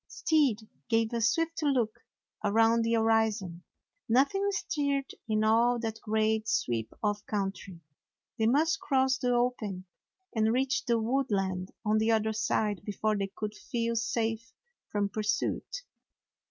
Stead gave a swift look around the horizon. Nothing stirred in all that great sweep of country. They must cross the open and reach the wood land on the other side before they could feel safe from pursuit.